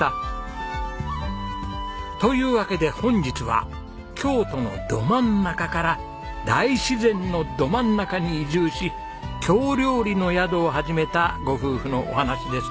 というわけで本日は京都のど真ん中から大自然のど真ん中に移住し京料理の宿を始めたご夫婦のお話です。